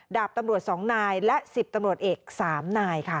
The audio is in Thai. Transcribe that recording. ดาบตำรวจ๒นายและ๑๐ตำรวจเอก๓นายค่ะ